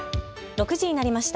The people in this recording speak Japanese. ６時になりました。